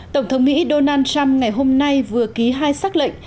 tổng thống mỹ donald trump ngày hôm nay vừa ký hai xác lệnh